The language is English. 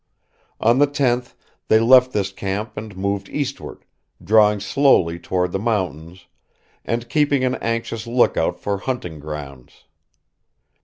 On the 10th they left this camp and moved eastward, drawing slowly toward the mountains, and keeping an anxious lookout for hunting grounds.